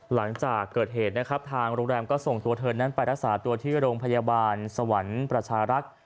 หลังจากเกิดเหตุทางโรงแรมก็ส่งตัวไปรักษาตัวที่โรงพยาบาลศวรรษ์ประชารักษ์